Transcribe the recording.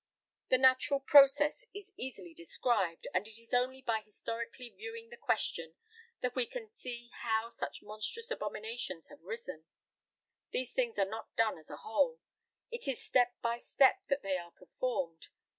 The natural process is easily described; and it is only by historically viewing the question that we can see how such monstrous abominations have arisen. These things are not done as a whole: it is step by step that they are performed.